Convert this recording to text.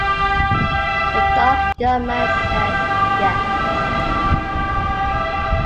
The dark young man says 'yes'.